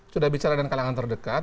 sudah bicara dengan kalangan terdekat